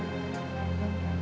ya pak adrian